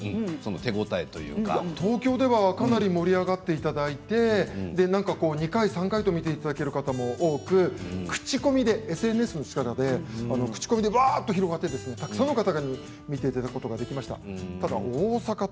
東京ではかなり盛り上がっていただいて２回３回と見ていただける方が多く口コミでＳＮＳの力でわっと広がってたくさんの方に見ていただくことができました。